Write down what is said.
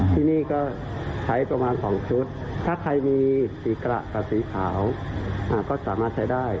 ที่นี่ก็ใช้ประมาณ๒ชุดถ้าใครมีสีกระกับสีขาวก็สามารถใช้ได้